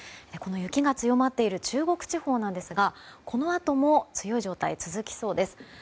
雪が強まっている中国地方なんですがこの後も、強い状態が続きそうです。